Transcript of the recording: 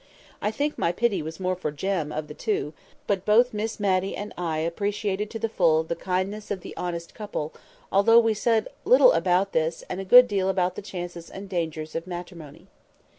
I think my pity was more for Jem, of the two; but both Miss Matty and I appreciated to the full the kindness of the honest couple, although we said little about this, and a good deal about the chances and dangers of matrimony.